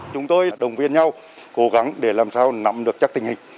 chúng tôi đồng viên nhau cố gắng để làm sao nắm được chắc tình hình